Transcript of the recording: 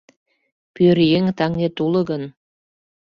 Пӧръеҥ-таҥет уло гын